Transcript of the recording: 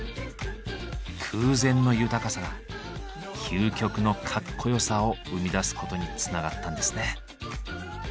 空前の豊かさが究極のかっこよさを生み出すことにつながったんですね。